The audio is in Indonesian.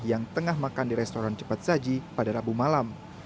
yang tengah makan di restoran cepat saji pada rabu malam